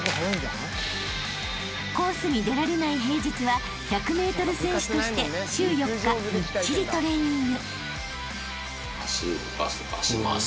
［コースに出られない平日は１００ｍ選手として週４日みっちりトレーニング］